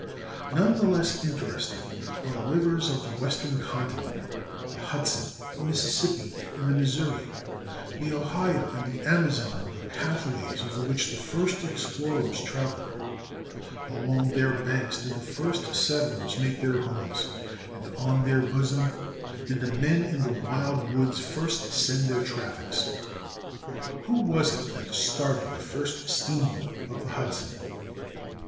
None the less interesting are the rivers of the Western continent, the Hudson, the Mississippi, and the Missouri; the Ohio and the Amazon are the pathways over which the first explorers traveled. Along their banks did the first settlers make their homes, and on their bosom did the men in the wild woods first send their traffics. Who was it that started the first steamboat up the Hudson?